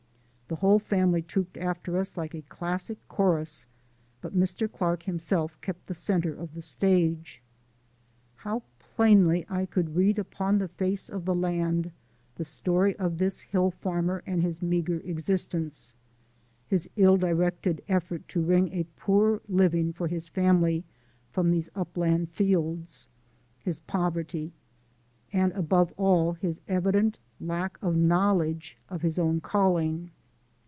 The whole family trooped after us like a classic chorus, but Mr. Clark himself kept the centre of the stage. How plainly I could read upon the face of the land the story of this hill farmer and his meagre existence his ill directed effort to wring a poor living for his family from these upland fields, his poverty, and, above all, his evident lack of knowledge of his own calling.